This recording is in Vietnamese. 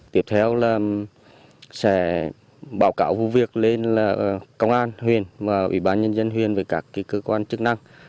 tiếp theo là sẽ báo cáo vụ việc lên là công an huyện và ủy ban nhân dân huyền với các cơ quan chức năng